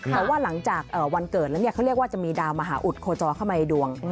เพราะว่าหลังจากวันเกิดแล้วเขาเรียกว่าจะมีดาวมหาอุดโคจรเข้ามาในดวง